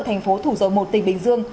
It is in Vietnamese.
thành phố thủ dầu một tỉnh bình dương